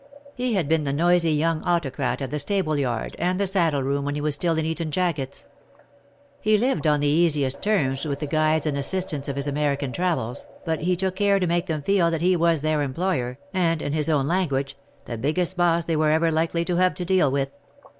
He had been the noisy young autocrat of the stable yard and the saddle room when he was still in Eton jackets. He lived on the easiest terms with the guides and assistants of his American travels, but he took care to make them feel that he was their employer and; in his own language, "the biggest boss they were ever likely to have to deal with."